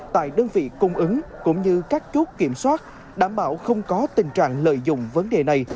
tại đơn vị cung ứng cũng như các chốt kiểm soát đảm bảo không có tình trạng lợi dụng vấn đề này